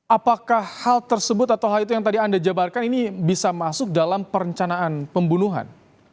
apakah hal tersebut atau hal itu yang tadi anda jabarkan ini bisa masuk dalam perencanaan pembunuhan